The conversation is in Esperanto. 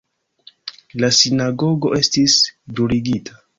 La sinagogo estis bruligita.